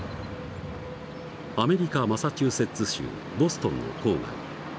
アメリカ・マサチューセッツ州ボストンの郊外。